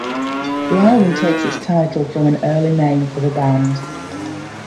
The album takes its title from an early name for the band.